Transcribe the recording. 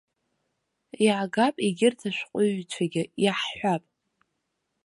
Иаагап егьырҭ ашҟәыҩҩцәагьы, иаҳҳәап.